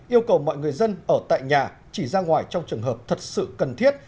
yêu cầu mọi người dân ở tại nhà chỉ ra ngoài trong trường hợp thật sự cần thiết